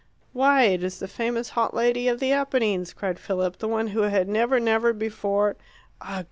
"Why, it is the famous hot lady of the Apennines," cried Philip; "the one who had never, never before " "Ugh!